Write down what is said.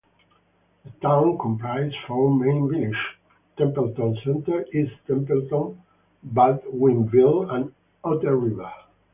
The town comprises four main villages: Templeton Center, East Templeton, Baldwinville, and Otter River.